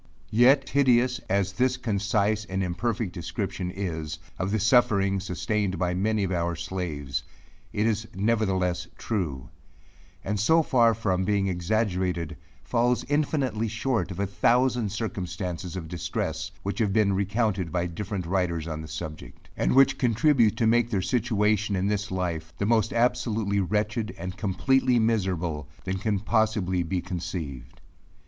Yet hideous as this concise and imperfect description is, of the sufferings sustained by many of our slaves, it is nevertheless true; and so far from being exaggerated, falls infinitely short of a thousand circumstances of distress, which have been recounted by different writers on the subject, and which contribute to make their situation in this life, the most absolutely wretched, and completely miserable, that can possibly be conceived.